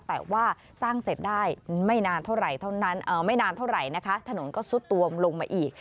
แต่ว่าสร้างเสร็จได้ไม่นานเท่าไรถนนก็ซุดตวมลงมาอีก